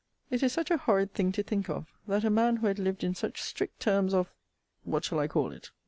It is such a horrid thing to think of, that a man who had lived in such strict terms of what shall I call it?